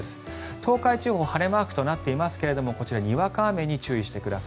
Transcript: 東海地方晴れマークとなっていますがこちら、にわか雨に注意してください。